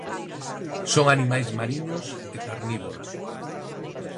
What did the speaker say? Son animais mariños e carnívoros.